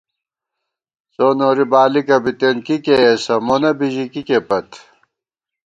څو نوری بالِکہ بِتېن کی کېئیسہ ، مون بِژِکِکے پت